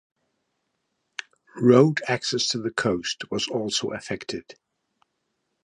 Road access to the coast was also affected.